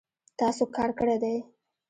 تاسو کار کړی دی